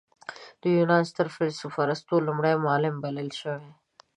د یونان ستر فیلسوف ارسطو لومړی معلم بلل شوی.